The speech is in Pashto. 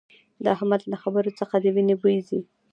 د احمد له خبرو څخه د وينې بوي ځي